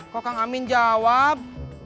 kok kang amin jawab